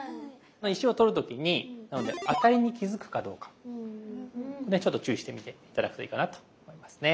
石を取る時になのでアタリに気づくかどうかねちょっと注意してみて頂くといいかなと思いますね。